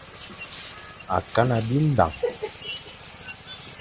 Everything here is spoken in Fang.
Akana bindañ.